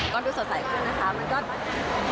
ก็ดูสดใสขึ้นนะคะ